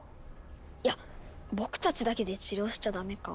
いやっ僕たちだけで治療しちゃダメか。